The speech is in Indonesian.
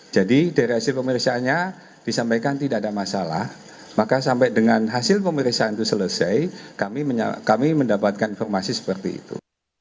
jadi dari hasil pemeriksaannya disampaikan tidak ada masalah maka sampai dengan hasil pemeriksaan itu selesai kami mendapatkan informasi seperti itu